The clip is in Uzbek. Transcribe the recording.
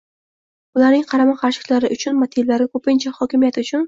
ularning qarama-qarshiliklari uchun motivlar ko‘pincha hokimiyat uchun